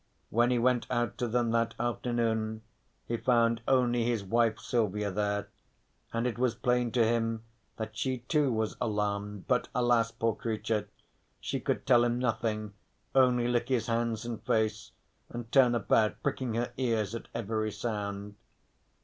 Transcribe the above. When he went out to them that afternoon he found only his wife Silvia there and it was plain to him that she too was alarmed, but alas, poor creature, she could tell him nothing, only lick his hands and face, and turn about pricking her ears at every sound.